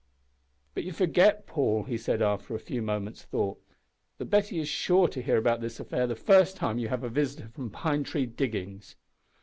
"But you forget, Paul," he said, after a few moments' thought, "that Betty is sure to hear about this affair the first time you have a visitor from Pine Tree Diggings."